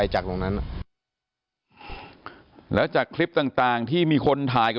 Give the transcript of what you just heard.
จากนั้นน่ะหักใส่ผมเลยหัก